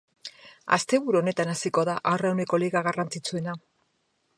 Asteburu honetan hasiko da arrrauneko liga garrantzitsuena.